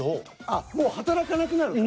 あっもう働かなくなるか。